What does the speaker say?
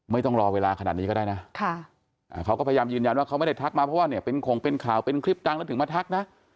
ไม่ต้องรอเวลาขนาดนี้ก็ได้นะเขาก็พยายามยืนยันว่าเขาไม่ได้ทักมาเพราะว่าเนี่ยเป็นคงเป็นข่าวเป็นคลิปดังแล้วถึงมาทักนะ